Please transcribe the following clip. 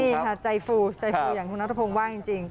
นี่ค่ะใจฟูใจฟูอย่างคุณนัทพงศ์ว่าจริง